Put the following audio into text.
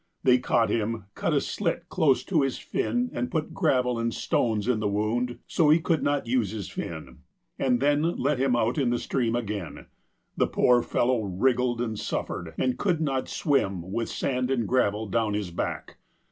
They caught him, cut a slit close to his flu and put gravel and stones in the wound so that he could not use his fin, and then let him out in the stream again. The poor fellow wriggled and suffered, and could not swim with sand and gravel down his back.